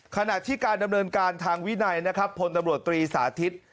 ขณะที่การดำเนินการทางวินัยนะครับพลตำรวจตรีสาธิต